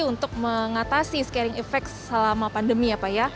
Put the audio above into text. untuk mengatasi scaring effect selama pandemi ya pak ya